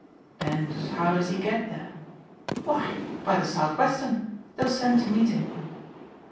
"And how does he get there?" "Why by the South Western. They'll send to meet him."